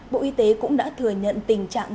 bộ y tế cũng đã thừa nhận tình trạng